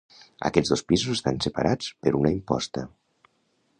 Aquests dos pisos estan separats per una imposta.